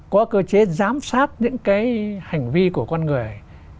có cơ chế giám sát những cái hành vi của con người